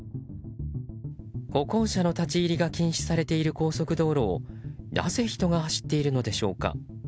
歩行者の立ち入りが禁止されている高速道路をなぜ人が走っているのでしょうか。